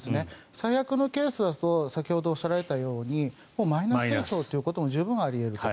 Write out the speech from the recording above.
最悪のケースだと先ほどおっしゃられたようにもうマイナス成長ということも十分あり得ると。